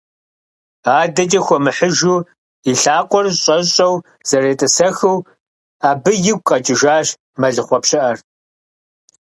АдэкӀэ хуэмыхьыжу, и лъакъуэр щӀэщӀэу зэретӀысэхыу, абы игу къэкӀыжащ мэлыхъуэ пщыӀэр.